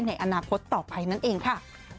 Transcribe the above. ในอนาคตต่อไปนั่นเองค่ะ